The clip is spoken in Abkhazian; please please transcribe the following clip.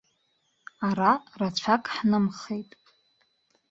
Ара рацәак ҳнымхеит.